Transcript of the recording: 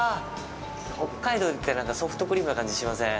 北海道に来たらソフトクリームな感じしません？